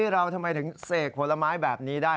เราทำไมถึงเสกผลไม้แบบนี้ได้